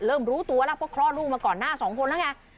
เริ่มรู้ตัวแล้วเพราะคลอดลูกมาก่อนหน้าสองคนแล้วไง